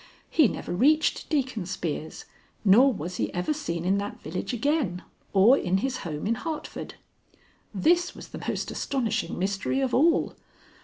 He never reached Deacon Spear's, nor was he ever seen in that village again or in his home in Hartford. This was the most astonishing mystery of all.